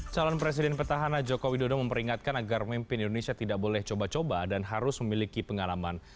calon presiden petahana joko widodo memperingatkan agar pemimpin indonesia tidak boleh coba coba dan harus memiliki pengalaman